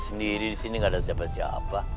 sendiri disini gak ada siapa siapa